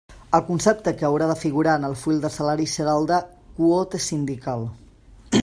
El concepte que haurà de figurar en el full de salaris serà el de “Quota sindical”.